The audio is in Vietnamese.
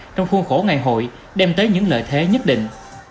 trong khuôn khổ ngày hội đem tới những lợi thế nhất định